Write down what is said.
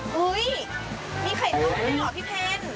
เฮ้ยมีไข่ตุ๋มด้วยเหรอพี่เพชร